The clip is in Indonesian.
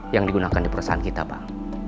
yang digunakan di perusahaan kita pak